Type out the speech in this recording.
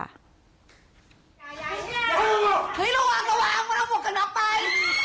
เฮ้ยระวังระวังมันเอาหมวกกันน็อกไป